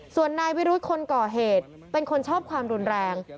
ส่วนนายวิรุธคนก่อเหตุเป็นคนชอบความรุนแรง